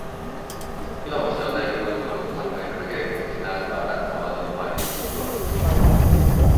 今も下の台所でそのことを考えただけで泣きながらかまどの前にくずおれてしまった。